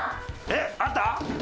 えっ！あった？